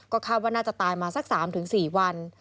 คาดว่าน่าจะตายมาสัก๓๔วัน